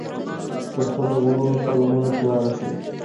پسه د غرونو په لمنو کې وده کوي.